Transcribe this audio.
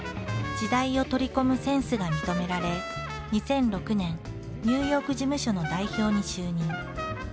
時代を取り込むセンスが認められ２００６年ニューヨーク事務所の代表に就任。